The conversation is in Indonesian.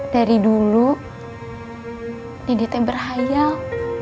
dari dulu dedek teh berhayal